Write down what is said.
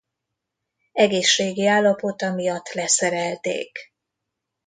Egészségi állapota miatt leszerelték.